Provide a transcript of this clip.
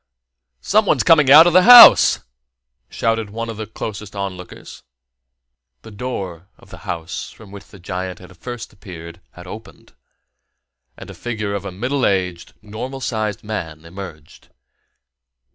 "Someone's coming out of his house!" shouted one of the closest onlookers. The door of the house from which the giant had first appeared had opened, and the figure of a middle aged, normal sized man emerged.